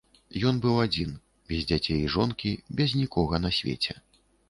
Ён быў адзін, без дзяцей і жонкі, без нікога на свеце.